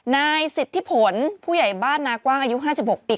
นายสิทธิผลผู้ใหญ่บ้านนากว้างอายุ๕๖ปี